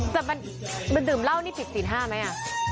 แต่มันมันดื่มเหล้านี่๑๐๕มั้ยอ่ะ